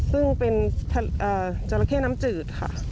ซึ่งเป็นจราเข้น้ำจืดค่ะ